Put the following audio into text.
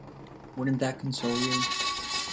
Wouldn't that console you?